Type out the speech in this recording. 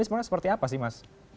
sebenarnya seperti apa sih mas